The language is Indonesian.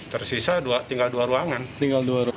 tersisa tinggal dua ruangan